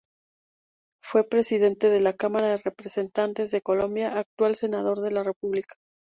Fue Presidente de la Cámara de Representantes de Colombia; actual Senador de la República.